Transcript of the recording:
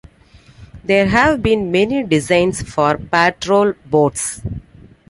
There have been many designs for patrol boats.